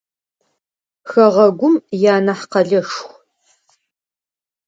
Хэгъэгум ианахь къэлэшху.